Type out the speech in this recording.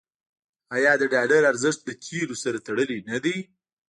آیا د ډالر ارزښت له تیلو سره تړلی نه دی؟